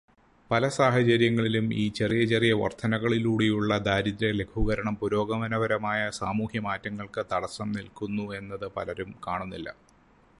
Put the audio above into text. പല സാഹചര്യങ്ങളിലും ഈ ചെറിയ ചെറിയ വർധനകളിലൂടെയുള്ള ദാരിദ്ര്യലഘൂകരണം പുരോഗമനപരമായ സാമൂഹ്യമാറ്റങ്ങൾക്ക് തടസ്സം നിൽക്കുന്നു എന്നത് പലരും കാണുന്നില്ല.